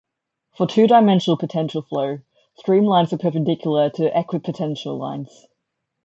For two-dimensional potential flow, streamlines are perpendicular to equipotential lines.